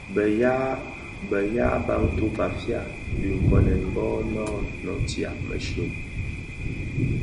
Bë yaa Bantu (Bafia) dhinkonèn bō noo nootia mëshyom.